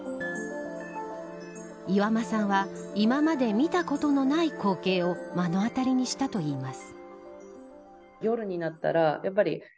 岩間さんは今まで見たことのない光景を目の当たりにしたといいます。